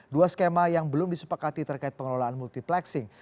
dua skema yang belum disepakati terkait pengelolaan multiplexing